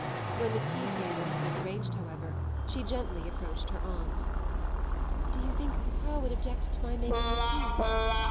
When the tea table had been arranged, however, she gently approached her aunt. "Do you think papa would object to my making the tea?"